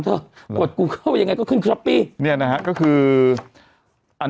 เถอะกดกูเข้ายังไงก็ขึ้นคอปปี้เนี่ยนะฮะก็คืออัน